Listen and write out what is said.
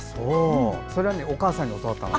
それはお母さんに教わったの？